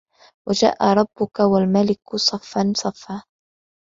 وَجاءَ رَبُّكَ وَالمَلَكُ صَفًّا صَفًّا